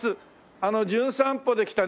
あの『じゅん散歩』で来たね